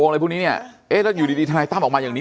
อะไรพวกนี้เนี่ยเอ๊ะแล้วอยู่ดีทนายตั้มออกมาอย่างนี้